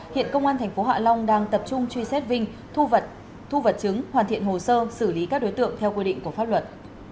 hiện công an tp hạ long đang tập trung truy xét vinh thu vật chứng hoàn thiện hồ sơ xử lý các đối tượng theo quy định của pháp luật